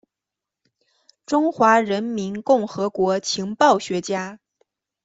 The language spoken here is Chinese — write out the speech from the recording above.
中华人民共和国情报学家。